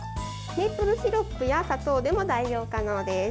メープルシロップや砂糖でも代用可能です。